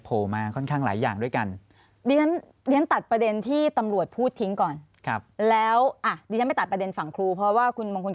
ข้อมูลสองข้างไม่เหมือนกัน